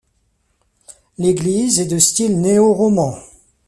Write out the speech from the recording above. L'église est de style néoroman.